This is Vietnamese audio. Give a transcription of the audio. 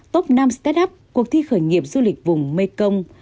top năm start up cuộc thi khởi nghiệp du lịch vùng mekong